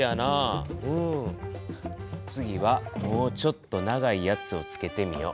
次はもうちょっと長いやつをつけてみよう。